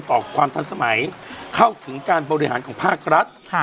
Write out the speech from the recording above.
อกความทันสมัยเข้าถึงการบริหารของภาครัฐ